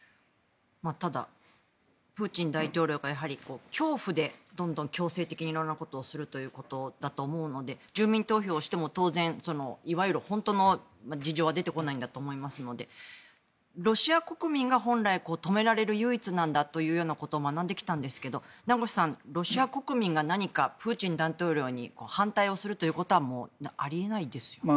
ただプーチン大統領が恐怖で強制的にいろんなことをするということだと思うので住民投票をしても当然、いわゆる本当の事情は出てこないんだと思いますのでロシア国民が本来止められる唯一なんだということを学んできたんですけど名越さん、ロシア国民が何かプーチン大統領に反対をするということはもうあり得ないですよね。